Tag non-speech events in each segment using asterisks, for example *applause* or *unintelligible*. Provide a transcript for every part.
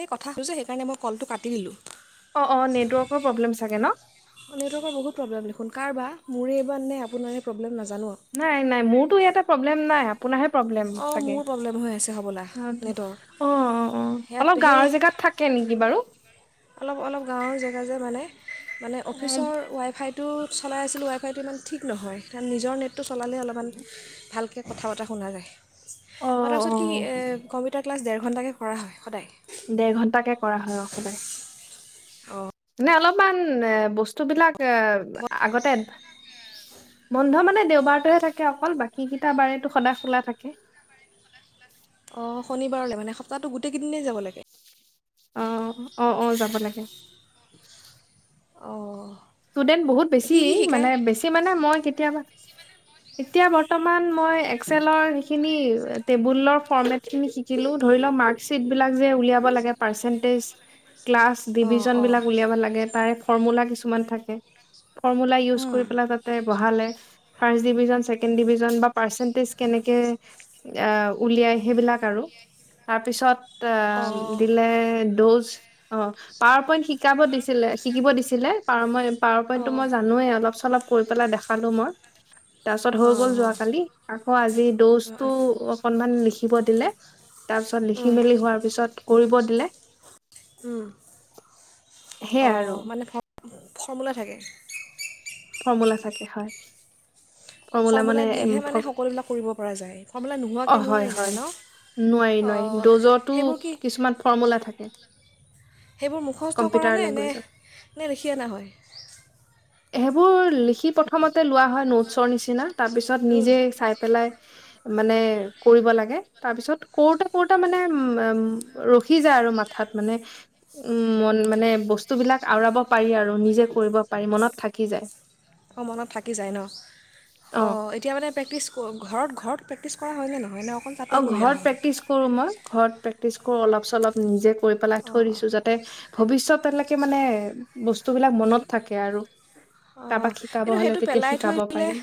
এই কথাটো যে সেইকাৰণে মই কলটো কাটি দিলোঁ। অ', অ', নেটৱৰ্কৰ প্ৰব্লেম চাগে ন? নেটৱৰ্কৰ বহুত প্ৰব্লেম দেখোন কাৰ বা মোৰেইবাৰ নে আপোন প্ৰবলেম নাযা নাই নাই মোৰতো ইয়াতে প্ৰব্লেম নাই। আপোনাৰহে প্ৰব্লেম অঁ চাগে। মোৰ প্ৰব্লেম হৈ আছে হ'বলা অ', নেটৰ -অ', -অ', সেয়াত অলপ সেই গাঁৱৰ জেগাত থাকে নেকি বাৰু? অলপ অলপ গাঁৱৰ জেগা যে মানে। মানে অ অফিচৰ ৱাইফাইটো চলাই আছিলো ৱাইফাইটো ইমান ঠিক নহয়, কাৰণ নিজৰ নেট নেটটো চলালে অলপমান ভালকে কথা বতৰা শুনা যাই, অ তাৰ পাছত অ কি কম্পিউটাৰ ক্লাছ ডেৰশ এঘণ্টাকৈ কৰা হয় সদায়। দেৰ ঘন্টাকে কৰা হয় অ সদায় অঁ মানে অলপ কিছমান এ বস্তু বিলাক এ আগতে বন্ধ মানে দেওবাৰটোহে থাকে অকল, বাকী কেইটা বাৰটো সদায় খোলা থাকে। অ শনিবাৰলৈ মানে সপ্তাহটো গোটেই কেইদিনেই যাব লাগে। অহ অ', অ', যাব লাগে। অ', ষ্টুডেণ্ট বহুত বেছি মানে, বেছি মানে মই কেতিয়াবা। এতিয়া বৰ্তমান মই এক্সেলৰ সেইখিনি টেবুলৰ ফৰ্মেট খিনি শিকিলোঁ। ধৰি ল মাৰ্কশ্বিট বিলাক যে উলিয়াব লগে, পাৰ্চেন্টেজ। ক্লাছ অঁ ডিভিজন বিলাক উলিয়াব লাগে তাৰে ফৰ্মুলা। কিছুমান থাকে কে ফৰ্মুলা ইউজ কৰি অঁ পেলাই তাতে বঢ়ালে ফাৰ্ৰ ডিভিজন ছেকেণ্ড ডিভিজন বা পাৰ্চেন্টিচ কেনেকে আ উলিয়াই সেইবিলাক আৰু তাৰপিছত অ', অ', দিলে ড'জ অ পাৱাৰ পইণ্ট শিকাব দিছিলে শিকিব দিছিলে পাৱাৰ ম‌ই পাৱাৰ পইন্টটো অ', মই জানোৱেই অলপ চলপ কৰি পেলাই দেখালো মই তাৰ পিছত হৈ গ'ল অ', যোৱাকালি আকৌ আজি দ'জটো অকনমান লিখিব দিলে তাৰ পিছত লিখি উম, মেলি হোৱাৰ পিছত কৰিব দিলে। উম, অ সেয়াই আৰু মানে ফৰ্মৰ্মুলা থাকে ফৰ্মুলা থাকে হয় ফৰ্মুলা দিহে মানে সকলোবিলাক কৰিব পৰা যায় ফৰ্মুলা অ নোহোৱাকৈ হয় নোৱাৰি মানে হয় ন নোৱাৰি নোৱাৰি অ ড'জতো সেইবোৰ কি কিছুমান ফৰ্মুলা থাকে সেইবোৰ মুখস্থ কৰা কম্পিউটাৰ নে নে লেংগুৱেজত নে লিখি অনা হয় সেইবোৰ লিখি প্ৰথমতে লোৱা হয় নোটছৰ নিচিনা তাৰপিছত উম, নিজে চাই পেলাই মানে কৰিব লাগে তাৰ পিছত কৰোতে কৰোতে মানে উ ৰখি যায় আৰু মাথাত মানে উম মন মানে বস্তুবিলাক আওৰাব পাৰি আৰু নিজে কৰিব পাৰি মনত থাকি যায় অ মনত থাকি যায় ন অ এতিয়া মানে প্ৰেক্টিচ কৰোঁ। ঘৰত ঘৰত প্ৰেক্টিছ কৰা হয় নে নহয় নে অকল তাতেই অ কৰি অহা ঘৰত হয় প্ৰেক্টিচ কৰো মই ঘৰত পেক পিচকো অলপ চলপ নিজে কৰি পেলাই থৈ অ', দিছো যাতে ভৱিষ্যতেলেক মানে বস্তুবিলাক মনত থাকে আৰু অ কাৰোবাক শিকাব কিন্তু হলে সেইটো তেতিয়া পেলাই থৈ শিকাব দিলেহ পাৰিম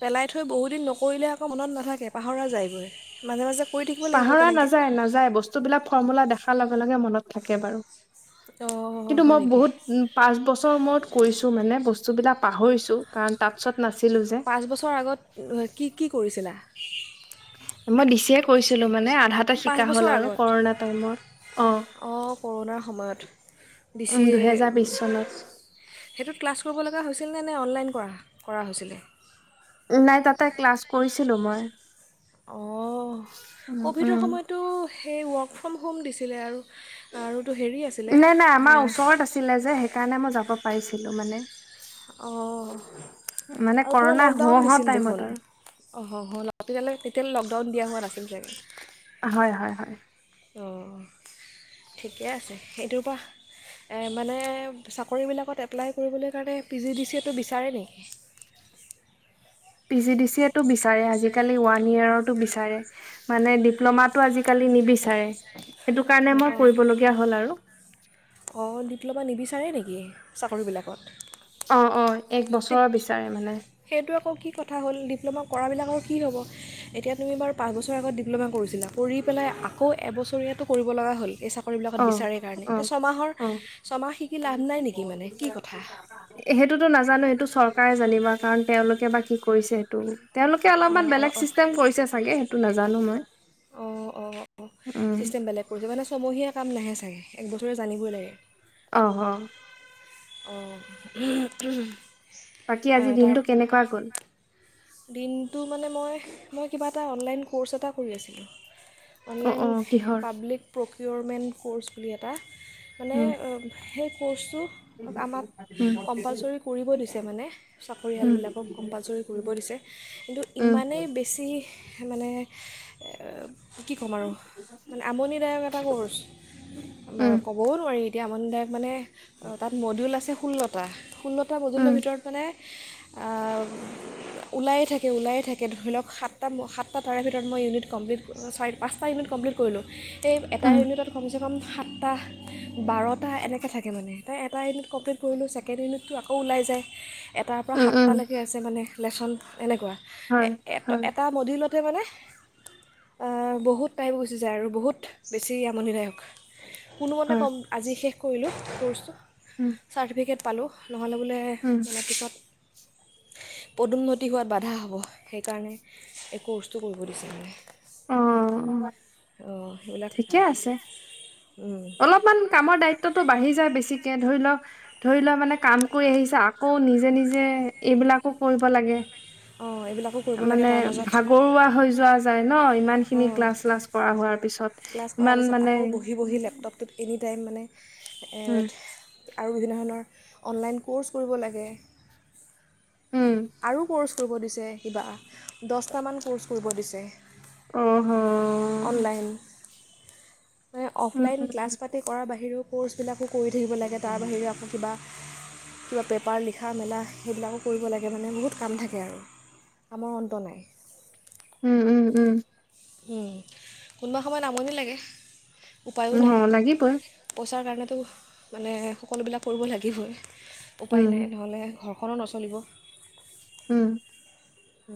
পেলাই থৈ বহুদিন নকৰিলে আকৌ মনত নাথাকে পাহৰা যায়গৈ। মাজে মাজে কৰি থাকিব লাগিব পাহৰা তেনেকৈ নাযায় নাযায় বস্তুবলাক ফৰ্মলা দেখা লাগা লগে লগে মনত থাকে বাৰু অঁ কিন্তু হয় মই নেকি বহুত উ পাঁচ বছৰ মূৰত কৰিছোঁ মানে বস্তু বস্তুবিলাক পাহৰিছোঁ কাৰণ তাচত পাঁচ বছৰ আগত কি কি কৰিছিলা মই দিচিয়ে কৈচিলো মানে আধাতে পাঁচ শিকা হ'ল বছৰ আৰু আগত কৰোণা টাইমত অ কৰোণাৰ সময়ত ডি উম, চি এ দুহেজাৰ বিশ চনত সেইটোত ক্লাছ কৰিবলা হৈছে আছিল নে নে অনলাইন কৰাহ কৰা হৈছিলে নাই তাতে ক্লাছ কৰিছি ছিলো মই অ উম, ক'ভিডৰ উম। সময়তো সেই ৱৰ্ক ফ্ৰম হোম দিছিলে আৰু আৰু নাই নাই আমাৰ ওচৰত আছিলে যে সেইকাৰণে মই যাব পাইছিলো মানে অহ, মানে আৰু পুৰা কৰোণা লকডাউন হওঁ হওঁ দিছিল টাইমত দেখোন। আৰু অহ তেতিয়ালৈ লকডাউন দিয়া হোৱা নাছিল। চাগৈ হয়, হয়, হয়। অহ, ঠিকে আছে। সেইটোৰ পৰা মানে চাকৰিবিলাকত এপ্লাই কৰিবলৈ কাৰণে। পি, জি, ডি, চিটো বিচাৰে নেকি। P, G, D, C A টো বিচাৰো বিচাৰে আজিকালি ওৱান ইয়েৰতো বিচাৰে। মানে ডিপ্ল'মাটো আজিকালি নিবিচাৰে। সেইটো কাৰণে অঁ মই অঁ কৰিবলগীয়া হ'ল আৰু। অঁ ডিপ্লমা নিবিচাৰে নেকি চাকৰিবিলাকত। অহ, অহ এক তে বছৰৰ বিচাৰে মানে। সেইটো আকৌ কি কথা হ'ল ডিপ্ল'মা কৰা বিলাক। মোৰ কি হ'ব? এতিয়া তুমি বাৰু পাঁচ বছৰ আগত ডিপ্ল'মা কৰিছিলা, কৰি পেলই আকৌ এবছৰীয়াতো কৰিব লগা হ'ল বুজিছা? ক'ৰবিলাকত অ', বিচাৰে কাৰণে তে অ', ছমাহৰ অ'। ছমাহ শিকি লাভ নাই নেকি মানে কি কথা। টো নাজানোঁ, এইটো চৰকাৰে জানিবা কাৰণ তেওঁলোকে বা কি কৰিছে সেইটো। তেওঁলোকে অলপমান অঁ অঁ বেলেগ অঁ চিষ্টেম কৰিছে চাগে সেইটো নাজানোঁ মই। অ', অ', অ' উম চিষ্টেম বেলেগ কৰিছে মানে ছমহীয়া কাম নাহে চাগে, একবছৰে জানিবই লাগে। অ', অ'। *inaudible* বাকী আজি আহ, তাৰ দিনটো কেনেকুৱা গ'ল? দিনটো মানে মই, মই কিবা এটা অনলাইন ক'ৰ্চ এটা কৰি আছিলোঁ। অ অনলাইন অ কিহৰ পাব্লিক প্ৰফ পিয়'ৰমেণ্ট ক'ৰ্চ বুলি এটা মানে উম আ, সেই কৰ্চটো আমাক উম কম্পালচৰি কৰিব দিছে মানে। উম চাকৰিয়ালবিলাকক কম্পালচৰি কৰি ছে কিন্তু উম ইমানেই বেছি মানে আ কি ক'ম আৰু মানে আমনিদায়ক এটা ক'ৰ্চ মানে উম ক'বও নোৱাৰি। তিয়া আমনদায়ক মানে অ', তাত মডুল আছে ষোল্ল। টাহ। ষোল্লটা মডুলৰ উম ভিতৰত মানে হিচ আহ ওলায়ে থাকে, ওলায়ে থাকে ধৰি লওক সাত- সাতটা তাৰে ভিতৰত মই ইউনিট কমপ্লিট চাৰি পাঁচটা ইউনিট কমপ্লিট কৰিলোঁ। তে এটাই উম ৰেণু তাত সংযো প্ৰথম সাতটা, বাৰটা এনেকে থাকে মানে, তাৰে এটা ইউনিট কমপ্লিট কৰিলোঁ, ছেকেণ্ড ইউনিটটো আকৌ ওলাই যায়। এটাৰ পৰা উম উম সাতটালৈকে আছে মানে। লেচন এনেকোৱা এ হয় এ হয় এটা মডিলত। টোৱ মানে বহুত টাইম গুচি যায় আৰু বহুত বেছি আমনিদায়ক। কোনো মতে হয় ক'ম, আজি শেষ। কৰিলো কৰ্চতো উম চাৰ্টিফিকেট পালোঁ। নহ'লে বোলে উম মেট্ৰিকত। পদোন্নতি হোৱাত বাধা হ'ব সেইকাৰণে এই ক'ৰ্চটো কৰিব দিছে মেমে অ, অ, ঠিকে আছে, অলপমান কামৰ দায়িত্বতটো বাঢ়ি যায় বেছি। এতিয়া ধৰি লওক, ধৰি লোৱা মানে কাম কৰি আহিছে আকৌ নিজে নিজে এইবিলাকো কৰিব লাগে। অঁ এইবিলাকো কৰিব লাগে মানে তাৰ মাজত ভাগৰুৱা হৈ যোৱা যায় ন ইমান খিনি অঁ ক্লাছ চ্লাছ কৰা হোৱাৰ পিছত ক্লাছ কৰাৰ ইমান পিছত মানে আকৌ বহি বহি লেপটপটোত এনি টাইম মানে উম আৰু বিভিন্ন ধৰণৰ অনলাইন ক'ৰ্চ কৰিব লাগে। উম আৰু ক'ৰ্চ কৰিব দিছে কিবা, দহটামান ক'ৰ্চ কৰিব দিছে। অহ হ। অনলাইন মানে, অফলাইন ক্লাছ উম পাতি কৰাৰ বাহিৰেও। ক'ৰ্চ বিলাকো কৰি থাকিব লাগে তাৰ বাহিৰেও আকৌ কিবা। কিবা পেপাৰ লিখা মেলা সেইবিলাকো কৰিব লাগে মানে বহুত। কাম থাকে আৰু কামৰ অন্ত নাই। উম উম উম উম, কোনোবা সময়ত আমনি লাগে। উ অ লাগিবই উফ, মানে সকলোবিলাক কৰিব লাগিবৈয়ে। উপায় উম নাই নহ'লে ঘৰক। ঘৰখনো নচলিব। উম, উ,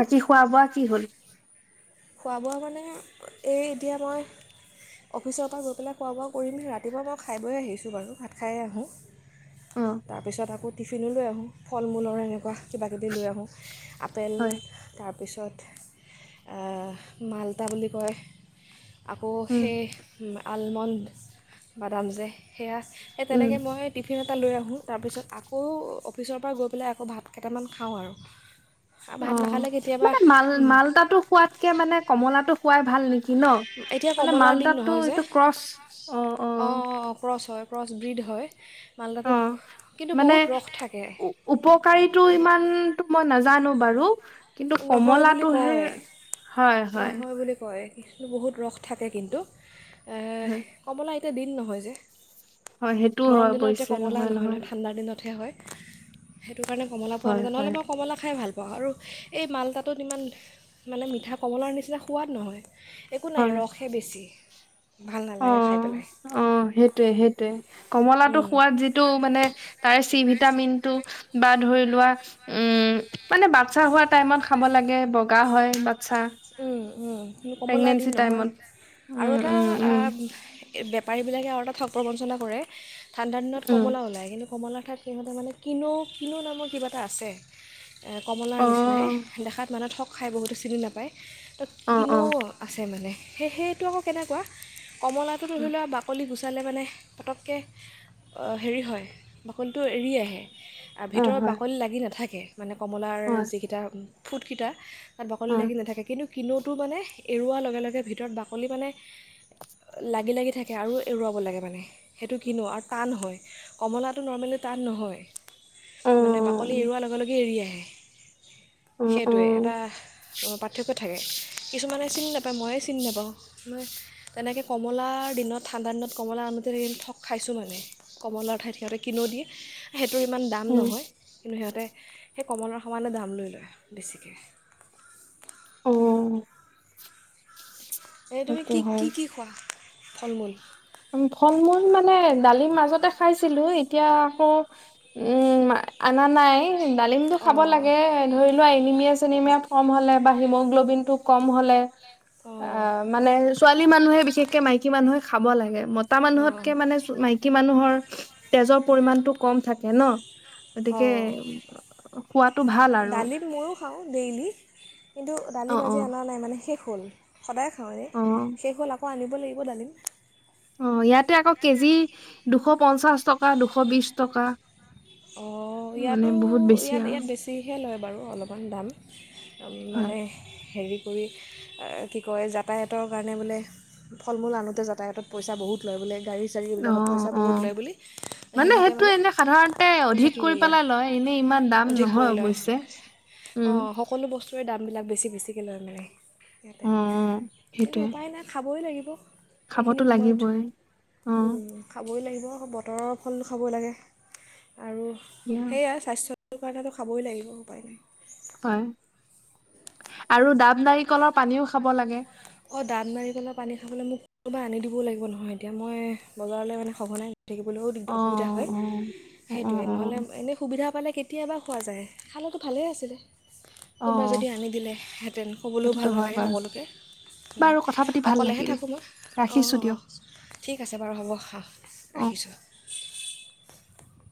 বাকি খোৱা বোৱা কি হ'ল? খোৱা বোৱা মানে, এই এতিয়া মই, অফিচৰ পৰা গৈ পেলাই খোৱা বোৱা কৰিম ৰাতিপুৱা মই খাই বৈয় আহিছোঁ বাৰু ভাত খায়ে আহোঁ অ তাৰপিছত আকৌ টিফিন লৈ আহোঁ ফল মূলৰ এনেকুৱা কিবাকিবি লৈ আহোঁ, আপেল হয় তাৰ পিছত মালতা বুলি কয় আকৌ উম সেই ন আলমণ্ড, বাদাম যে সেয়া সেই উম তেনেকে মই টিফিনত এটা লৈ আহোঁ তাৰপিছত আকৌ অফিচৰ পৰা গৈ পেলাই আকৌ ভাত কেইটামান খাওঁ আৰু। অ ভাত নাখালে কেতিয়াবা মানে মাল মালতাটো খোৱাতকে মানে কমলাটো খোৱাই ভাল নেকি কি ন এতিয়া মানে কমলাৰ দিন মালতাটো নহয় যে এইটো ক্ৰচ অ, অ ক্ৰছব্ৰীড হয় মাল্টাটো অ', কিন্তু মানে বহুত ৰস থাকে উপকাৰীটো ইমানটো মই নাজানো বাৰু কিন্তু নহয় বুলি কমলাটোহে কয় হয়', হয় নহয় বুলি কয় বহুত ৰস থাকে কিন্তু এ হয় কমলা এতিয়া দিন নহয় যে হয় সেইটো গৰম হয় দিনত এতিয়া অৱশ্যে কমলা নহয় নহয় ঠাণ্ডা দিনতহে হয়। সেইটো কাৰণে কমলা পোৱা হয় নাযায় নহলে হয় মই কমলা খাই ভাল বাৰু হি এই মালতাটোত ইমান, মানে মিঠা কমলাৰ নিচিনা সোৱাদ নহয় একো নাই ৰসহে বেছি ভাল নালাগে খাই উম', পেলাই অ', সেইটোৱেই সেইটোৱেই কমলাটো সুৱাদ যিটো মানে তাৰ চি ভিটামিনটো ধৰি লোৱা, উম তাৰমানে বাচ্ছা হোৱা টাইমত খাব লাগে, বগা হয় বা আচ্ছা উম, উম কমলা দিন নহয়, আৰু উম এটা উম উম *unintelligible* আৰু এটা ঠক প্ৰবঞ্চনা কৰে ঠাণ্ডা দিনত উম কমলা ওলাই কিন্তু কমলাৰ ঠাত সিহঁতে মানে কিনো কিনো নামৰ কিবা এটা আছে। কমলাৰ অ নিচিনাই দেখাত মানত শক। খাই বহুতে চিনি নেপায়। *unintelligible* তাত অ অ কিনো আছে মানে। সেই সেইটো আকৌ কেনেকুৱা। কমলাটো ধৰি লোৱা বাকলি গুচ। চালে মানে পটককৈ হেৰি হয় বাকলিটো এৰি আহে। অ ভিতৰত হয় বাকলি লাগি নেথাকে। মানে কমলাৰ হয় যিকেইটা। ফুটকিটা। তাত বাকলি লাগি অ নেথাকে। কিনোতো মানে এৰুৱা লগে লগে ভিতৰত বাকলি মানে লাগি লাগি থা। থাকে আৰু এৰুৱাব লাগে মানে। সেইটো কিনো আৰু টান হয়। কমলাটো নৰৰ্মেলি টান নহয়। অ মানে বাকলি এৰুৱা লগে লগে এৰি আহে। *unintelligible* অ সেইটোৱে অ এটা বা। থাকে কিছুমানে চিনি নাপায় ময়ে চিনি নাপাওঁ মই তেনেকে কমলাৰ দিনত ঠাণ্ডা দিনত কমলা আনোতে এদিন ঠগ খাইছোঁ মানে কমলাৰ ঠাইত সিহঁতে কিনো দিয়ে সে। টোৰ ইমান দাম উম নহয় কিন্তু সিহঁতে। সেই কমলাৰ সমানে দাম লৈ লয় বেছিকে। অ। এই তুমি সেইটো কি হয় কি কি খোৱা। ফল মূল। ফল মূল মানে ডালিম মাজতে খাইছিলো এতি। এতিয়া আকৌ উম আনা নাই। ডালিমটো, অঁ খাব লাগে এ ধৰি লোৱা এনিমিয়া, চেনিমিয়া,। কম হ'লে বা হিমগ্ল'বিন টো কম হ'লে। অ অঁ মানে ছোৱালী মানুহে বিশেষকে মাইকী মানুহে খাব লাগে। মতা মানুহতকৈ মানে ছো মাইকী মা। মানুহৰ তেজৰ পৰিমাণটো কম থাকে ন। অ গতিকে খোৱাটো ভাল আৰু ডালিম ময়ো খাওঁ ডেইলি কিন্তু অ ডালিম অ আজি অনা নাই মানে শেষ। হল। সদায় খাওঁৰে অ শেষ হ'ল আকৌ আনিব। *unintelligible* অ ইয়াতে আকৌ কেজি দুশ পঞ্চাশ টকা দুশ বিশ টকা অঁ মানে ইয়াতো বহুত বেছি ইয়াত আৰু ইয়াত বেছিহে লয় বাৰু অলপমান দাম হয় মানে হেৰি কি কয় যাতায়তৰ কাৰণে বোলে ফল মূল আনোতে যাতায়ত পইচা বহুত লয় বোলে গাড়ী চাৰী অ এইবিলাকত পইচা অ বহুত লয় বুলি সিহঁতে সেইটো মানে এনে সাধাৰণতে অধিক পইচাটো কৰি লৈ পেলাই লয় এনে ইমান দাম অধিক নহয় কৰি লয় অৱশ্যে উম। দাম বিলাক বেছি বেছিকে লয় মানে। অ কিন্তু সেইটোৱে উপায় নাই খাবই লাগিব। *unintelligible* এইখিনি খাবতো সময়ত লাগিবই অঁ খাবই লাগিব বতৰৰ ফলতো খাবই লাগে আৰু দিয়া সেয়া স্বাস্থ্য সেইটো কাৰণেতো খাবই লাগিব উপায় নাই হয় আৰু ডাব নাৰিকলৰ পানীও খাব লাগে অঁ দাব নাৰিকলৰ পানী খাবলৈ মোক কোনোবাই আনি দিবও লাগিব নহয় এতিয়া মই বজাৰলৈ মানে সঘনাই থাকিবলৈও অ অসুবিধা হয় অ অ অ সেইটোৱে অ নহলে এনেই সুবিধা পালে কেতিয়াবা খোৱা যায় খালেতো ভালেই আছিলে। কোনোবাই অ', যদি আনি দিলেহেঁতেন ক'বলৈও সেইটোতো ভাল হয় নালাগে বাৰু সকলোকে বাৰু কথা পাতি ভাল অকলেহে লাগিলে থাকোঁ মই অঁ ৰাখিছো অঁ দিয়ক ঠিক আছে বাৰু হ'ব অঁ অ ৰাখিছো। *inaudible*